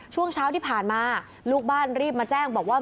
ช่วงเช้าที่ผ่านมาลูกบ้านรีบมาแจ้งบอกว่า